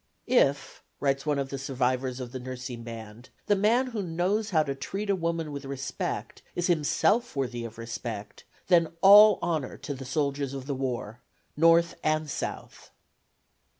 "If," writes one of the survivors of the nursing band, "the man who knows how to treat a woman with respect is himself worthy of respect, then all honor to the soldiers of the war, North and South."